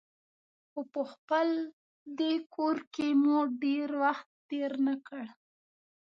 خو په خپل دې کور کې مو ډېر وخت تېر نه کړ.